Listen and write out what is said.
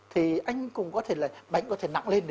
thì anh cũng có thể là bánh có thể nặng lên